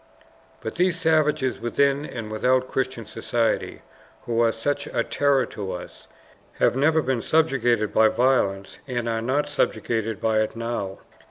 But these savages within and without Christian society, who are such a terror to us, have never been subjugated by violence, and are not subjugated by it now.